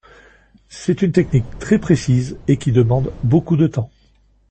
C'est une technique très précise et qui demande beaucoup de temps.